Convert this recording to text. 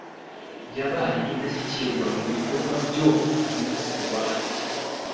yabaye Indashyikirwa mu bikorwa byo umunsirwanya